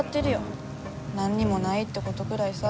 何にもないってことぐらいさ。